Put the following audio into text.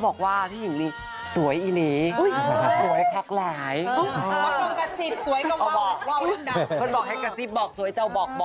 สวัสดีครับ